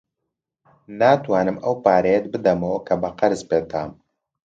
ناتوانم ئەو پارەیەت بدەمەوە کە بە قەرز پێت دام.